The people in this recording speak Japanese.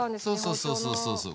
そうそうそうそう。